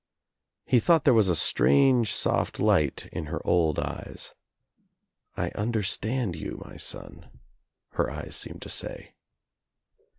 He thought there was a strange, soft light in her old eyes. "I understand you, my son," her eyes seemed to say.